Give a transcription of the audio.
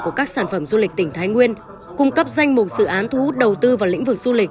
của các sản phẩm du lịch tỉnh thái nguyên cung cấp danh mục sự án thu hút đầu tư vào lĩnh vực du lịch